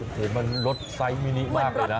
เห็นมันรสไซส์มินิมากเลยนะ